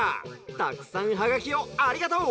たくさんハガキをありがとう。